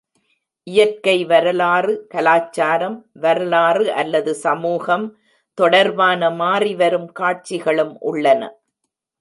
இயற்கை வரலாறு, கலாச்சாரம், வரலாறு அல்லது சமூகம் தொடர்பான மாறிவரும் காட்சிகளும் உள்ளன.